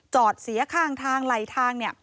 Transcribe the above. จอดเสียข้างทางไหลทางเนี่ย